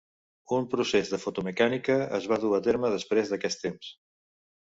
Un procés de fotomecànica es va dur a terme després d'aquest temps.